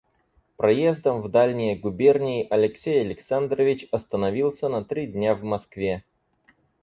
Проездом в дальние губернии Алексей Александрович остановился на три дня в Москве.